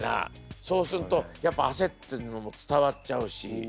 そうするとやっぱ焦ってるのも伝わっちゃうし。